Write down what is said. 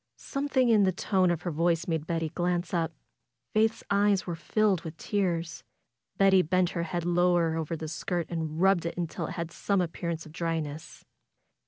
Something in the tone of her voice made Betty glance up. Faith's eyes were filled with tears. Betty bent her head lower over the skirt and rubbed it till it had some appearance of dryness.